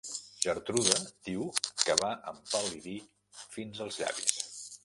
Gertrude diu que va empal·lidir fins als llavis.